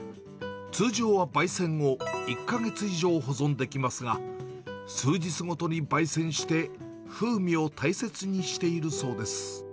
通常はばい煎後、１か月以上保存できますが、数日ごとにばい煎して、風味を大切にしているそうです。